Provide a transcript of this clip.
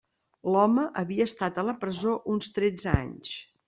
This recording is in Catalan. L'home havia estat a la presó uns tretze anys.